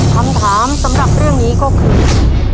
คำถามสำหรับเรื่องนี้ก็คือ